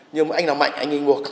nhưng mà anh nào mạnh anh anh mua